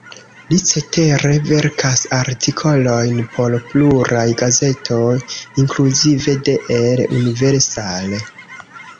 Li cetere verkas artikolojn por pluraj gazetoj, inkluzive de "El Universal".